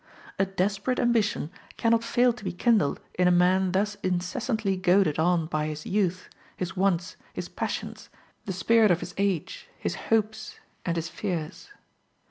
A desperate ambition cannot fail to be kindled in a man thus incessantly goaded on by his youth, his wants, his passions, the spirit of his age, his hopes, and his age, his hopes, and his fears.